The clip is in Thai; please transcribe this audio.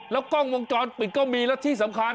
แล้วกล้องวงจรปิดก็มีแล้วที่สำคัญ